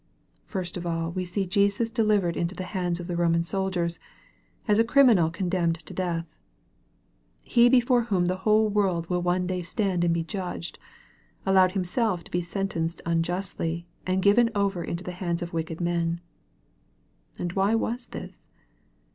First of all we see Jesus delivered into the hands of the Roman soldiers, as a criminal condemned to death. He before whom the whole world will one day stand and be judged, allowed Himself to be sentenced unjustly, and given over into the hands of wicked men. And why was this